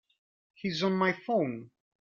He's on my phone.